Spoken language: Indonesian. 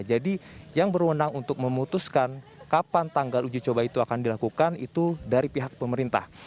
jadi yang berwenang untuk memutuskan kapan tanggal uji coba itu akan dilakukan itu dari pihak pemerintah